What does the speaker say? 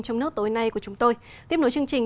trong nước tối nay của chúng tôi tiếp nối chương trình